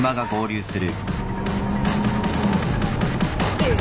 うっ！